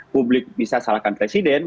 publik bisa salahkan presiden